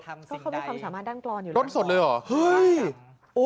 เขาไม่ควรสามารถดั้งกรรมอยู่รึเปล่า